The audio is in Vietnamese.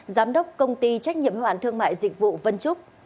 giám đốc công ty trách nhiệm hoàn thương mại dịch vụ vân trúc